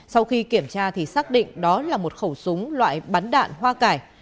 sau khi kiểm tra thì xác định đó là một khẩu súng loại bắn đạn hoa cải